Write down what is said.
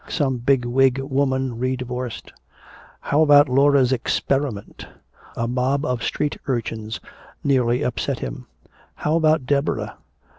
Some bigwig woman re divorced. How about Laura's "experiment"? A mob of street urchins nearly upset him. How about Deborah?